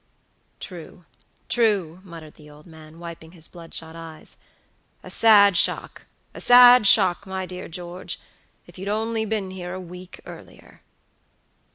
"True! true!" muttered the old man, wiping his bloodshot eyes; "a sad shock, a sad shock, my dear George. If you'd only been here a week earlier."